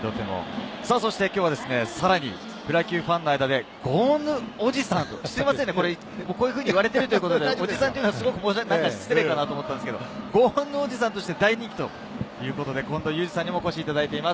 そして今日はさらにプロ野球ファンの間で、ゴーンヌおじさんとして。こういうふうに言われているということで、おじさんというのは失礼かなと思ったんですけど、ゴーンヌおじさんとして大人気という近藤祐司さんにもお越しいただいています。